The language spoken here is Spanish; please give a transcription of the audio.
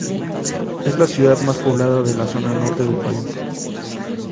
Es la ciudad más poblada de la zona norte del país.